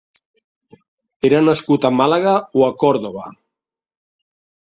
Era nascut a Màlaga o a Còrdova.